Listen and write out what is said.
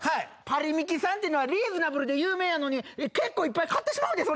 パリミキさんってのはリーズナブルで有名やのに結構いっぱい買ってしまうんです